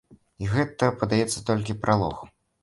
І гэта, падаецца, толькі пралог.